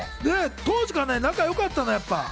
当時から仲良かったの？